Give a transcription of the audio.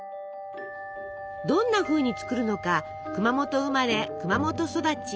どんなふうに作るのか熊本生まれ熊本育ち。